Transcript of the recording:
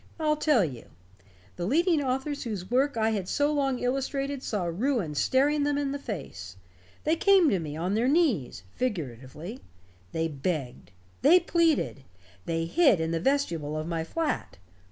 I'll tell you. The leading authors whose work I had so long illustrated saw ruin staring them in the face. They came to me, on their knees, figuratively. They begged. They pleaded. They hid in the vestibule of my flat.